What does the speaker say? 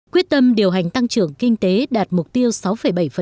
quyết tâm điều hành tăng trưởng kinh tế đạt mục tiêu sáu bảy